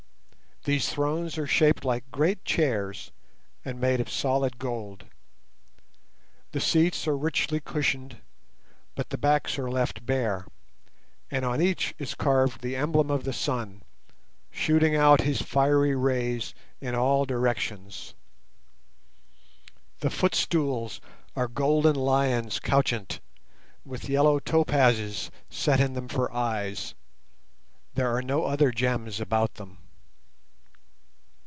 These thrones are shaped like great chairs, and made of solid gold. The seats are richly cushioned, but the backs are left bare, and on each is carved the emblem of the sun, shooting out his fiery rays in all directions. The footstools are golden lions couchant, with yellow topazes set in them for eyes. There are no other gems about them.